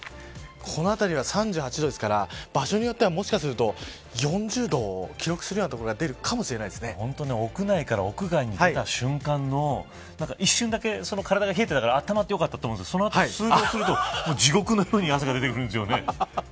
この辺りは３８度ですから場所によっては、もしかすると４０度を記録するような所が屋内から屋外に出た瞬間の一瞬だけ体が冷えてるから温まってよかったと思うけどそのあと地獄のように汗が出てくるんですよね。